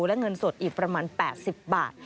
และเงินสดอีกประมาณ๘๐บาท